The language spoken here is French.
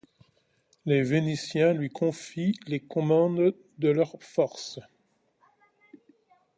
Les Vénitiens lui confient le commandement de leurs forces.